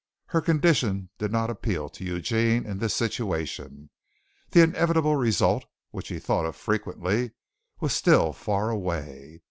Her condition did not appeal to Eugene in this situation. The inevitable result, which he thought of frequently, was still far away.